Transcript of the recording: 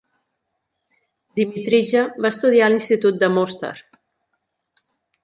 Dimitrije va estudiar a l'institut Mostar.